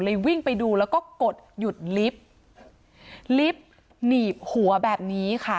วิ่งไปดูแล้วก็กดหยุดลิฟต์ลิฟต์หนีบหัวแบบนี้ค่ะ